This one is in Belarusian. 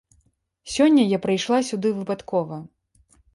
Сёння я прыйшла сюды выпадкова.